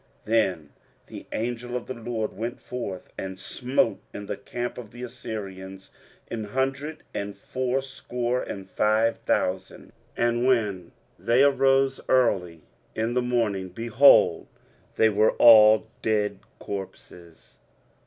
23:037:036 Then the angel of the LORD went forth, and smote in the camp of the Assyrians a hundred and fourscore and five thousand: and when they arose early in the morning, behold, they were all dead corpses.